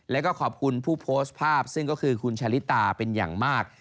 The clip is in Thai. แล้วก็ขอบคุณผู้โพสต์ภาพซึ่งก็คือคุณชะลิตาเป็นอย่างมาก